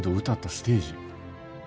歌ったステージ。